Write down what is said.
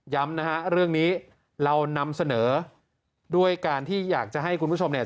นะฮะเรื่องนี้เรานำเสนอด้วยการที่อยากจะให้คุณผู้ชมเนี่ย